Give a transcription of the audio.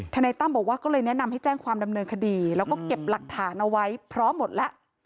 นายตั้มบอกว่าก็เลยแนะนำให้แจ้งความดำเนินคดีแล้วก็เก็บหลักฐานเอาไว้พร้อมหมดแล้ว